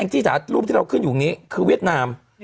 เองที่จากรูปที่เราขึ้นอยู่นี้คือเวียดนาม